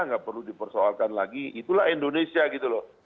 nggak perlu dipersoalkan lagi itulah indonesia gitu loh